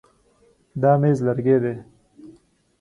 دا مېز لرګی دی.